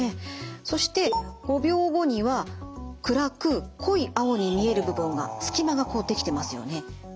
そして５秒後には暗く濃い青に見える部分が隙間が出来てますよね。